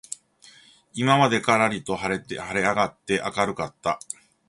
今までからりと晴はれ上あがって明あかるかった